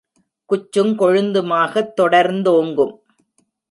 குச்சுங் கொழுந்துமாகத் தொடர்ந்தோங்கும்